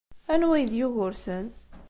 Anwa ay d Yugurten?